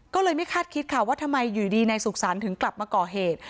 ก็เลยไม่คาดคิดค่ะว่าทำไมอยู่ดีนายสุขสรรค์ถึงกลับมาก่อเหตุ